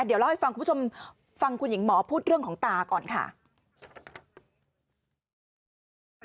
เดี๋ยวเล่าให้ฟังคุณผู้ชมฟังคุณหญิงหมอพูดเรื่องของตาก่อนค่ะ